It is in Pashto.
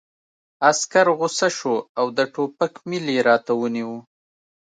عسکر غوسه شو او د ټوپک میل یې راته ونیو